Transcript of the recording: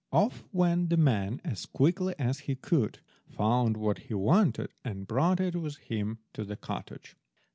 Off went the man as quickly as he could, found what he wanted, and brought it with him to the cottage.